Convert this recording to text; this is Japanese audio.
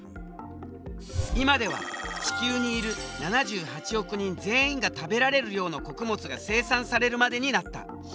今では地球にいる７８億人全員が食べられる量の穀物が生産されるまでになった。